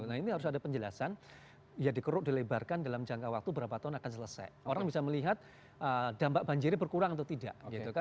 nah ini harus ada penjelasan ya dikeruk dilebarkan dalam jangka waktu berapa tahun akan selesai orang bisa melihat dampak banjirnya berkurang atau tidak